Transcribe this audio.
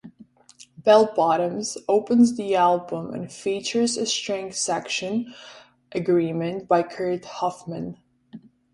"Bellbottoms" opens the album and features a string section arrangement by Kurt Hoffman.